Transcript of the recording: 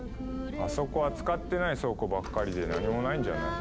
あそこは使ってない倉庫ばっかりで何もないんじゃない？